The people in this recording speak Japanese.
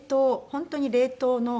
本当に冷凍の。